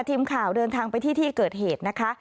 ทีมข่าวเดินทางไปที่ที่เกิดเหตุนะคะ